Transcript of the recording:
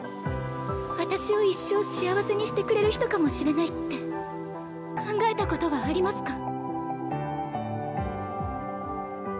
私を一生幸せにしてくれる人かもしれないって考えたことはありますか？